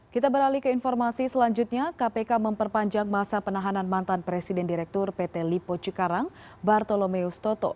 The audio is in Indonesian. kita beralih ke informasi selanjutnya kpk memperpanjang masa penahanan mantan presiden direktur pt lipo cikarang bartolomeus toto